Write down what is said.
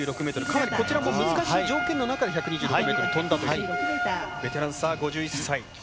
かなり、こちらも難しい条件の中で１２６ｍ飛んだというベテラン、５１歳。